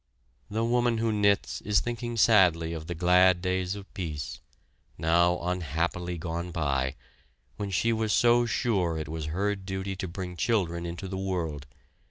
The woman who knits is thinking sadly of the glad days of peace, now unhappily gone by, when she was so sure it was her duty to bring children into the world.